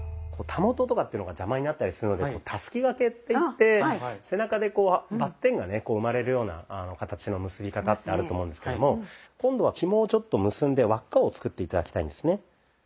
たもととかっていうのが邪魔になったりするのでたすき掛けっていって背中でバッテンがね生まれるような形の結び方ってあると思うんですけども今度はひもをちょっと結んで輪っかを作って頂きたいんですね。